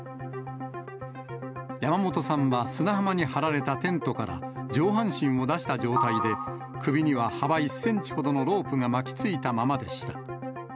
山本さんは砂浜に張られたテントから上半身を出した状態で、首には幅１センチほどのロープが巻きついたままでした。